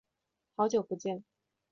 好久不见。